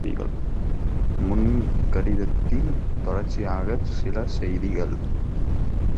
முன் கடிதத்தின் தொடர்ச்சியாகச் சில செய்திகள்!